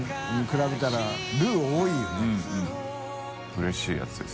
うれしいやつです。